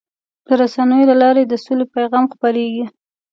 د رسنیو له لارې د سولې پیغام خپرېږي.